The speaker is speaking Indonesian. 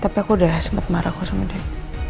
tapi aku udah sempet marah sama dek